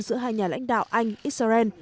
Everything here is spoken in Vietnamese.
giữa hai nhà lãnh đạo anh israel